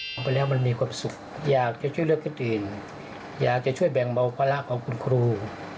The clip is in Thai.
ลงไปแล้วมันมีความสุขอยากจะช่วยเลือกคนอื่นอยากจะช่วยแบ่งเบาภาระของคุณครู